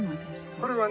これはね